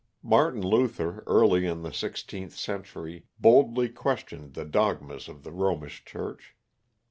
Martin Luther early in the sixteenth century boldly questioned the dogmas of the Romish Church.